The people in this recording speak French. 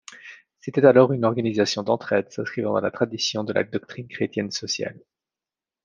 C’était alors une organisation d’entraide s’inscrivant dans la tradition de la doctrine chrétienne sociale.